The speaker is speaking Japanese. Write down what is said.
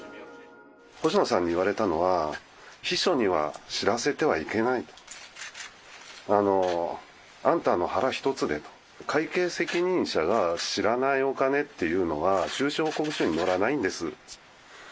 星野さんに言われたのは、秘書には知らせてはいけないと。あんたの腹一つで会計責任者が知らないお金っていうのは、収支報告書に載らないんです。